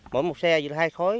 mỗi một xe hai khối